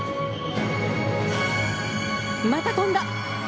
また飛んだ。